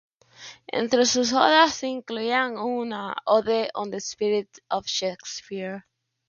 Entre sus odas se incluía una "Ode on the Spirits of Shakespeare".